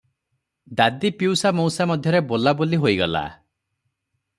ଦାଦି ପିଉସା ମଉସା ମଧ୍ୟରେ ବୋଲାବୋଲି ହୋଇଗଲା ।